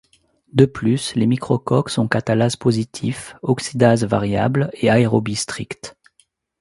De plus, les microcoques sont catalase positifs, oxydase variable et aérobie stricts.